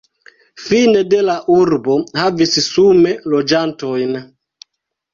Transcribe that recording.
Fine de la urbo havis sume loĝantojn.